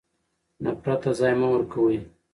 نفرت ته ځای مه ورکوئ.